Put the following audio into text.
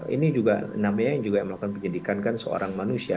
ini juga namanya yang juga melakukan pendidikan kan seorang manusia